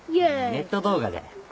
ネット動画だよ。